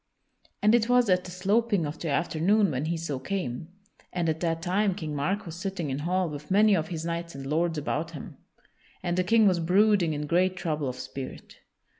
And it was at the sloping of the afternoon when he so came, and at that time King Mark was sitting in hall with many of his knights and lords about him. And the King was brooding in great trouble of spirit.